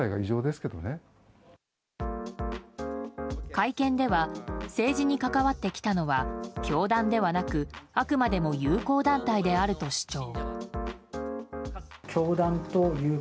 会見では政治に関わってきたのは教団ではなくあくまでも友好団体であると主張。